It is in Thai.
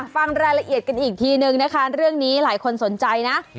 ฟังรายละเอียดกันอีกทีนึงนะคะเรื่องนี้หลายคนสนใจนะ